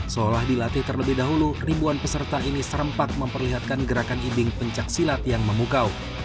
seolah dilatih terlebih dahulu ribuan peserta ini serempak memperlihatkan gerakan ibing pencaksilat yang memukau